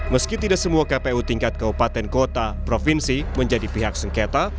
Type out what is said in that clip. meski tidak semua kpu tingkat kabupaten kota provinsi menjadi pihak sengketa